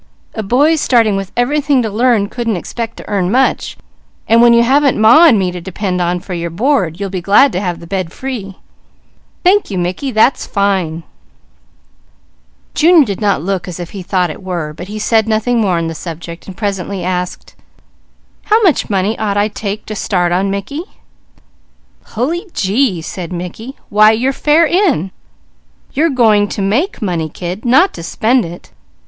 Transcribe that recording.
"A boy starting with everything to learn couldn't expect to earn much, and when you haven't Ma and me to depend on for your board you'll be glad to have the bed free. Thank you Mickey, that's fine!" Junior did not look as if he thought it were. Presently he asked: "How much money ought I to take to start on, Mickey?" "Hully gee!" said Mickey. "Why your fare in! You're going to make money, kid, not to spend it.